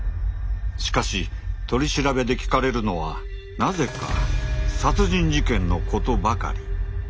しかし取り調べで聞かれるのはなぜか殺人事件のことばかり。